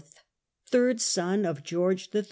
(third son of George III.)